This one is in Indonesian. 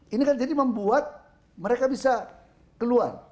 ini kan jadi membuat mereka bisa keluar